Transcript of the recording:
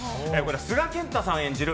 須賀健太さん演じる